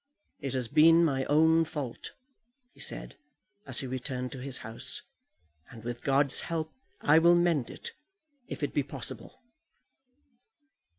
"It has been my own fault," he said, as he returned to his house, "and with God's help I will mend it, if it be possible."